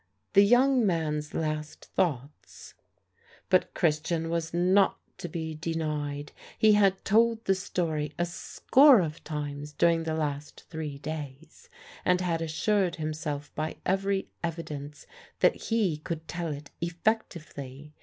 "The young man's last thoughts " But Christian was not to be denied. He had told the story a score of times during the last three days, and had assured himself by every evidence that he could tell it effectively.